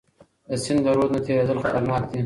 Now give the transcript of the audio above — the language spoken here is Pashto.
د سند له رود نه تیریدل خطرناک دي.